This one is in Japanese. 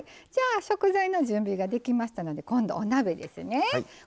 食材の準備ができましたので今度お鍋ですね。